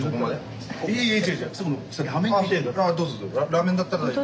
ラーメンだったら大丈夫。